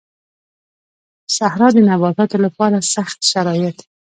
صحرا د نباتاتو لپاره سخت شرايط